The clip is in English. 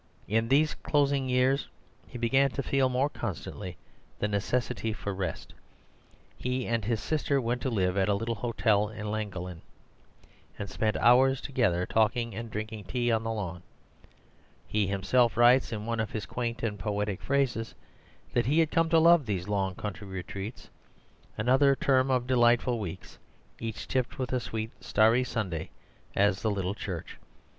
In these closing years he began to feel more constantly the necessity for rest. He and his sister went to live at a little hotel in Llangollen, and spent hours together talking and drinking tea on the lawn. He himself writes in one of his quaint and poetic phrases that he had come to love these long country retreats, "another term of delightful weeks, each tipped with a sweet starry Sunday at the little church."